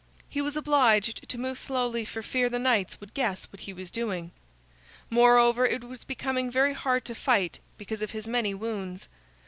He was obliged to move slowly for fear the knights would guess what he was doing. Moreover, it was becoming very hard to fight, because of his many wounds.